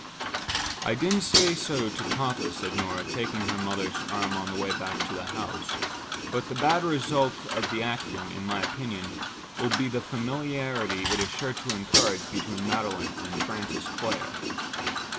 "I didn't say so to papa," said Norah, taking her mother's arm on the way back to the house, "but the bad result of the acting, in my opinion, will be the familiarity it is sure to encourage between Magdalen and Francis Clare."